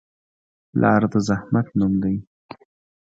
پلار د زحمت نوم دی.